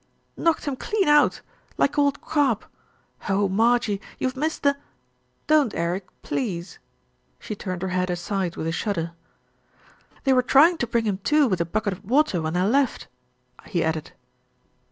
"Knocked him clean out. Like old Carp. Oh ! Mar jie, you've missed the " "Don't, Eric, please !" She turned her head aside with a shudder. "They were trying to bring him to with a bucket of water when I left," he added.